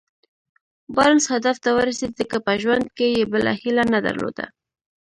بارنس هدف ته ورسېد ځکه په ژوند کې يې بله هيله نه درلوده.